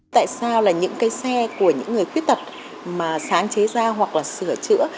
tại sao là những cái xe của những người khuyết tật mà sáng chế ra hoặc là sửa chữa